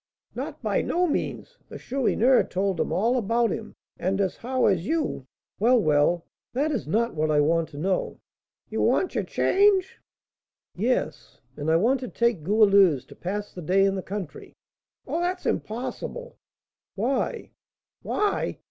"Not by no means; the Chourineur told 'em all about him, and as how as you " "Well, well, that is not what I want to know." "You want your change." "Yes, and I want to take Goualeuse to pass the day in the country." "Oh, that's impossible!" "Why?" "Why?